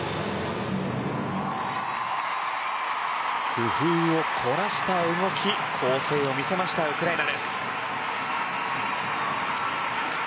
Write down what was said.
工夫を凝らした動き構成を見せました、ウクライナ。